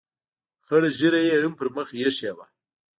خړه ږیره یې هم پر مخ اېښې وه.